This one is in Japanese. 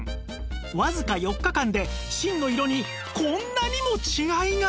わずか４日間で芯の色にこんなにも違いが！